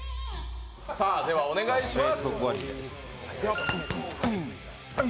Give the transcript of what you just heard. ではお願いします。